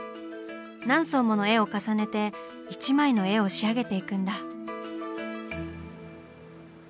何層もの絵を重ねて１枚の絵を仕上げていくんだ。